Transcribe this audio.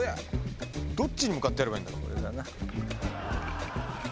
どっちに向かってやればいいんだろう？